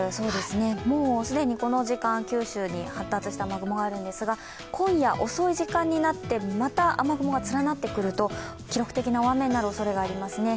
もう既にこの時間、九州に発達した雨雲があるんですが今夜遅い時間になって、また雨雲が連なってくると記録的な大雨になるおそれがありますね。